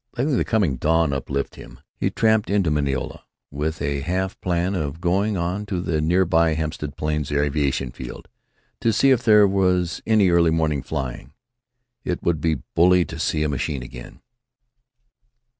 Letting the coming dawn uplift him, he tramped into Mineola, with a half plan of going on to the near by Hempstead Plains Aviation Field, to see if there was any early morning flying. It would be bully to see a machine again!